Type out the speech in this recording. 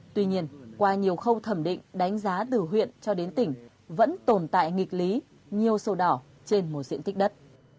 tuy nhiên qua nhiều khâu thẩm định đánh giá từ huyện cho đến tỉnh vẫn tồn tại nghịch lý nhiều sổ đỏ trên một diện tích đất